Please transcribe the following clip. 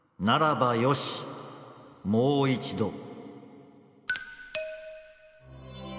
ならばよしもういちど！